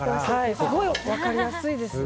すごく分かりやすいです。